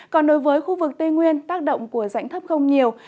còn đối với khu vực tây nguyên tác động của rãnh thấp không nhiều